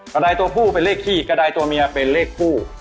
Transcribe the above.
กระดายตัวผู้เป็นเลขขี้กระดายตัวเมียเป็นเลขผู้